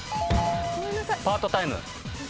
パートタイム。